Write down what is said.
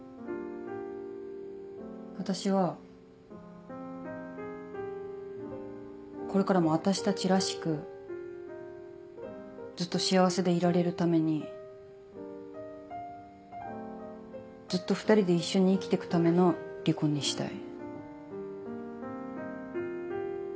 私はこれからも私たちらしくずっと幸せでいられるためにずっと２人で一緒に生きていくための離婚にしたい。